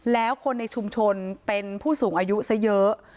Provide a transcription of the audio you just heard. แล้วคนในชุมชนเป็นผู้สูงอายุซะเยอะ